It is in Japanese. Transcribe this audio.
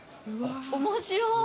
面白い。